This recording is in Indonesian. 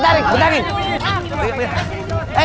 tarik tarik tarik